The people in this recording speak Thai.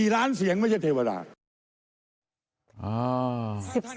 ๔ล้านเสียงไม่ใช่เทวดา